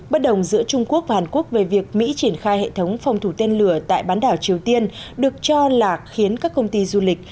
bất đồng giữa trung quốc và hàn quốc về việc mỹ triển khai hệ thống phòng thủ tên lửa tại bán đảo triều tiên được cho là khiến các công ty du lịch